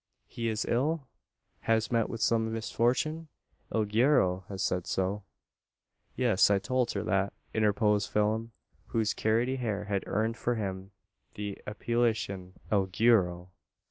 "He is ill? Has met with some misfortune? El guero has said so." "Yis. I towlt her that," interposed Phelim, whose carroty hair had earned for him the appellation "El guero."